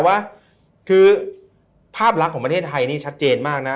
แต่ว่าคือภาพลักษณ์ของประเทศไทยนี่ชัดเจนมากนะ